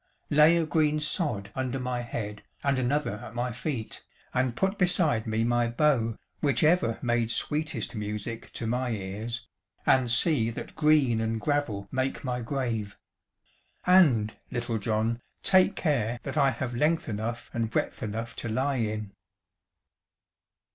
Lay a green sod under my head and another at my feet, and put beside me my bow, which ever made sweetest music to my ears, and see that green and gravel make my grave. And, Little John, take care that I have length enough and breadth enough to lie in."